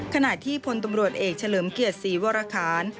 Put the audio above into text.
ขณะที่พลตำรวจเอกเฉลิมเกียรติศรีวรคาร